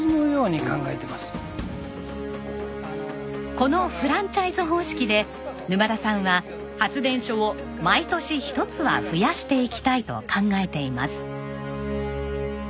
このフランチャイズ方式で沼田さんは発電所を毎年一つは増やしていきたいと考えています。